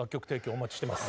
お待ちしてます。